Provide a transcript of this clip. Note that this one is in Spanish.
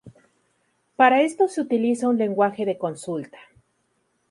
Para esto se utiliza un Lenguaje de consulta.